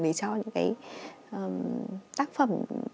để cho những cái tác phẩm